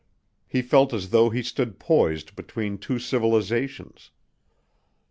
He felt as though he stood poised between two civilizations.